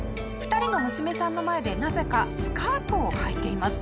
２人の娘さんの前でなぜかスカートをはいています。